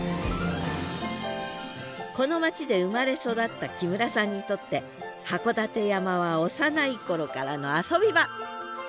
この町で生まれ育った木村さんにとって函館山は幼い頃からの遊び場。